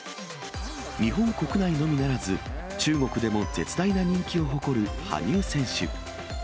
日本国内のみならず、中国でも絶大な人気を誇る羽生選手。